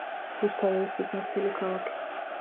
რუსთავი არის თვითმმართველი ქალაქი.